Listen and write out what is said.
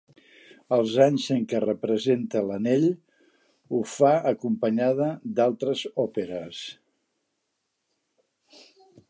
Els anys en què representa l'Anell, ho fa acompanyada d'altres òperes.